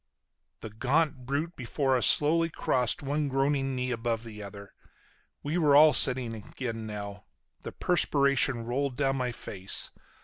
The gaunt brute before us slowly crossed one groaning knee above the other. We were all sitting again now. The perspiration rolled down my face.